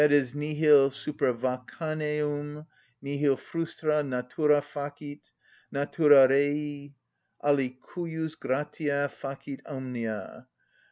(_Nihil supervacaneum, nihil frustra natura facit.—Natura rei alicujus gratia facit omnia.